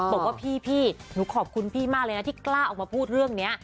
บอกว่าพี่หนูขอบคุณพี่มากเลยนะที่กล้าออกมาพูดเรื่องนี้